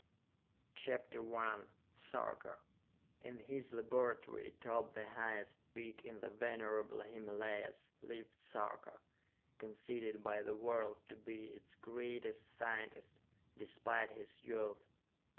_ CHAPTER I Sarka In his laboratory atop the highest peak in the venerable Himalayas, lived Sarka, conceded by the world to be its greatest scientist, despite his youth.